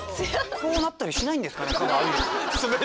こうなったりしないんですかね。